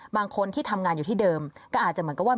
บางคนที่ทำงานอยู่ที่เดิมก็อาจจะเหมือนกับว่า